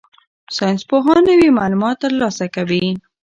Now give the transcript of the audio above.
ساینسپوهان نوي معلومات ترلاسه کوي.